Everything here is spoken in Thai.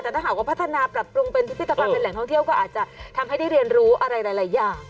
แต่ถ้าหากว่าพัฒนาปรับปรุงเป็นพิพิธภัณฑ์เป็นแหล่งท่องเที่ยวก็อาจจะทำให้ได้เรียนรู้อะไรหลายอย่าง